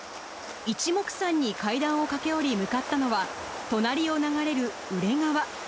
いちもくさんに階段を駆け下り、向かったのは、隣を流れる宇連川。